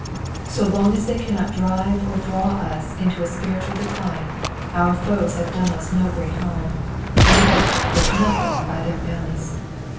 So long as they cannot drive or draw us into a spiritual decline our foes have done us no great harm, and they have accomplished nothing by their malice.